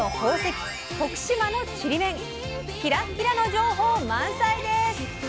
キラッキラの情報満載です！